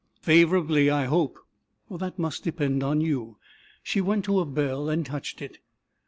"Favorably, I hope." "That must depend on you." She went to a bell and touched it.